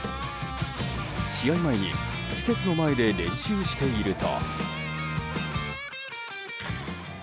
試合前に施設の前で練習していると。